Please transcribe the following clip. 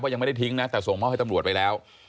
ยังไม่ได้ทิ้งนะแต่ส่งมอบให้ตำรวจไปแล้ว